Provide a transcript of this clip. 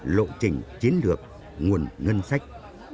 lộ trình chiến lược nguồn ngân sách